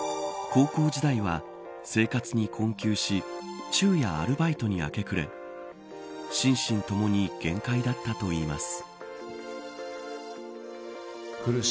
高校時代は、生活に困窮し昼夜アルバイトに明け暮れ心身ともに限界だったといいます。